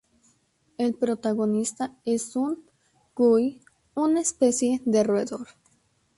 El protagonista es un cuy, una especie de roedor.